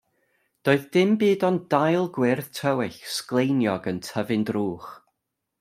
Doedd dim byd ond dail gwyrdd tywyll, sgleiniog yn tyfu'n drwch.